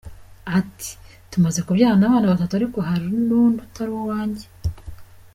Ati: “ Tumaze kubyarana abana batatu, ariko hari n’undi utari uwanjye.